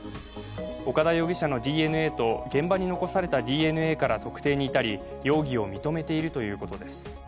岡田容疑者のＤＮＡと現場に残されたＤＮＡから特定に至り、容疑を認めているということです。